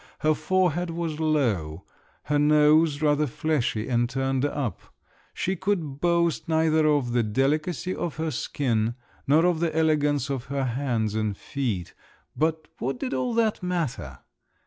Her forehead was low, her nose rather fleshy and turned up; she could boast neither of the delicacy of her skin nor of the elegance of her hands and feet—but what did all that matter?